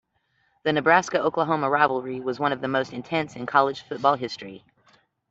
The Nebraska-Oklahoma rivalry was one of the most intense in college football history.